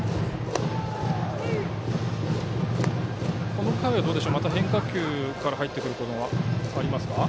この回はどうでしょう変化球から入ってくるのはありますか？